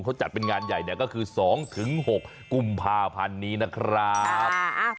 เขาจัดเป็นงานใหญ่ก็คือ๒๖กุมภาพันธ์นี้นะครับ